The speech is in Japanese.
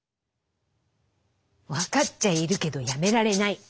分かっちゃいるけどやめられない。